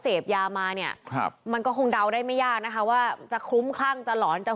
เอ่อออันนี้หล่อนนะ